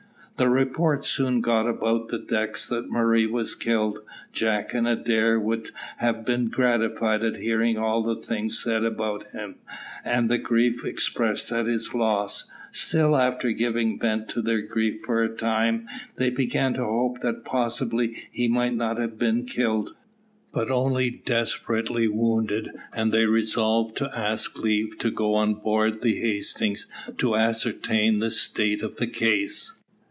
The report soon got about the decks that Murray was killed. Jack and Adair would have been gratified at hearing all the things said about him, and the grief expressed at his loss. Still, after giving vent to their grief for a time, they began to hope that possibly he might not have been killed, but only desperately wounded, and they resolved to ask leave to go on board the Hastings to ascertain the state of the case.